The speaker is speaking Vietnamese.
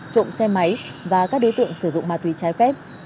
trộm xe máy và các đối tượng sử dụng ma túy trái phép